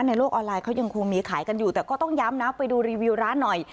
ในโลกออนไลน์เขายังคงมีขายกันอยู่แต่ก็ต้องย้ำนะไปดูรีวิวร้านหน่อย